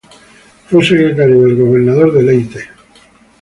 Fue secretario del gobernador militar de Leyte.